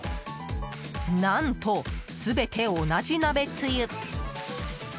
何と全て同じ鍋つゆ。